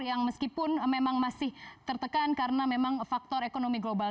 yang meskipun memang masih tertekan karena memang faktor ekonomi global